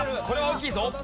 これは大きいぞ。